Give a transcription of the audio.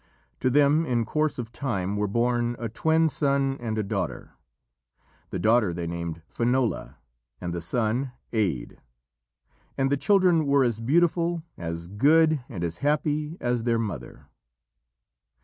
To them in course of time were born a twin son and a daughter. The daughter they named Finola and the son Aed, and the children were as beautiful, as good, and as happy as their mother.